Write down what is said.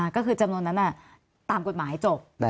ก็คือจำนวนนั้นตามกฎหมายจบ